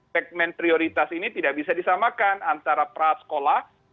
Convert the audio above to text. segmen prioritas ini tidak bisa disamakan antara prasekolah